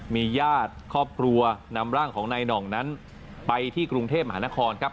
มีญาติครอบครัวนำร่างของนายหน่องนั้นไปที่กรุงเทพมหานครครับ